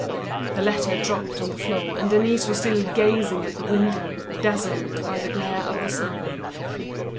The letter dropped on the ground, Denise still gazed at the window, dazzled by the glare of the sun.